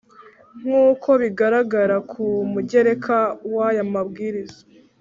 nk’uko bigaragara ku mugereka w’aya mabwiriza.